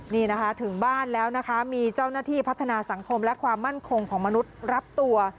นี่นะคะถึงบ้านแล้วนะคะมีเจ้าหน้าที่พัฒนาสังคมและความมั่นคงของมนุษย์รับตัว